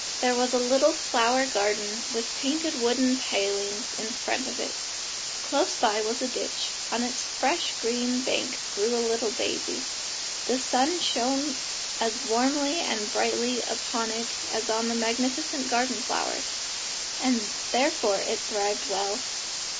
There was a little flower garden with painted wooden palings in front of it; close by was a ditch, on its fresh green bank grew a little daisy; the sun shone as warmly and brightly upon it as on the magnificent garden flowers, and therefore it thrived well.